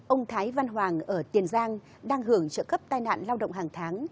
ông thái văn hoàng ở tiền giang đang hưởng trợ cấp tai nạn lao động hàng tháng